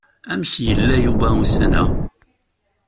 Amek yella Yuba ussan-a?